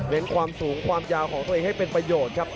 ความสูงความยาวของตัวเองให้เป็นประโยชน์ครับ